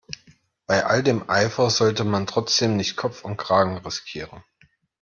Bei all dem Eifer sollte man trotzdem nicht Kopf und Kragen riskieren.